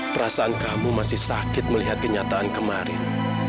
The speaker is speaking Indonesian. perasaan kamu masih sakit melihat kenyataan kemarin